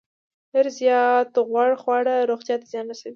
ډیر زیات غوړ خواړه روغتیا ته زیان لري.